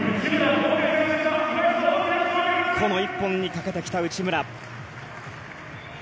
この一本にかけてきた内村。